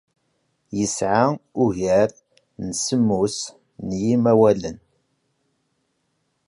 Yesɛa ugar n semmus n yimawalen.